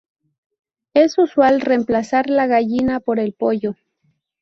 Es usual reemplazar la gallina por pollo.